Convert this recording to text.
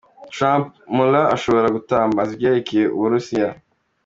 Trump: Mueller ashobora kutambaza ivyerekeye Uburusiya.